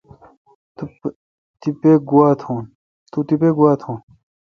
تو تیپہ گوا تھون۔